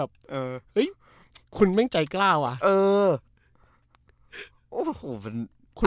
เห้ยบ้าคุณแม่งใจกล้าแหวะ